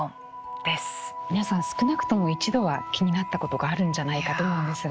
皆さん少なくとも一度は気になったことがあるんじゃないかと思うんですが。